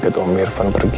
ke tempat judgments